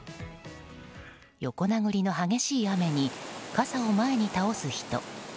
横殴りの激しい雨に傘を前に倒す人。